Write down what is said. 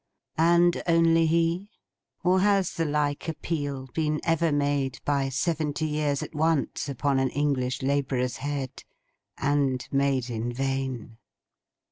And only he? Or has the like appeal been ever made, by seventy years at once upon an English labourer's head, and made in vain!